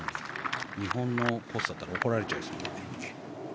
日本のコースだったら怒られちゃいそうな。